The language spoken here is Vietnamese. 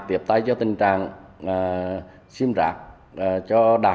tiếp tay cho tình trạng sim rác